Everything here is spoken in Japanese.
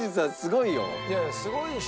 いやすごいし。